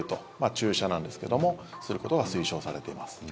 注射なんですけどもすることが推奨されています。